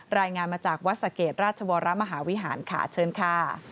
รายงานมาจากวัดสะเกดราชวรมหาวิหารค่ะเชิญค่ะ